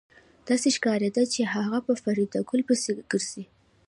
داسې ښکارېده چې هغه په فریدګل پسې ګرځي